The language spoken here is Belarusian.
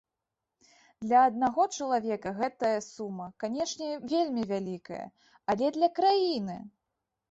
Для аднаго чалавека гэтая сума, канешне, вельмі вялікая, але для краіны?